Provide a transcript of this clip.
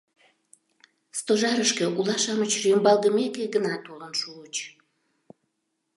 Стожарышке ула-шамыч рӱмбалгымеке гына толын шуыч.